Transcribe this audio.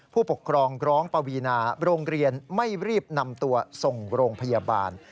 ผู้ปกครองร้องปวีนาโรงเรียนไม่รีบนำตัวส่งโรงพยาบาล